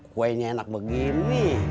kuenya enak begini